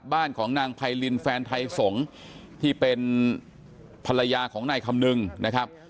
บ้านของนางไพรินแฟนไทยสงฆ์ที่เป็นภรรยาของนายคำนึงนะครับ